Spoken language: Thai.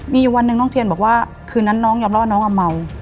มีอยู่วันหนึ่งน้องเทียนบอกว่าคืนนั้นน้องยอมรับว่าน้องอ่ะเมา